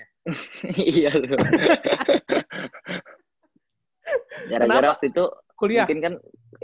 ini ya ngeundurin diri ya dari tim nasional katanya ya kemaren ya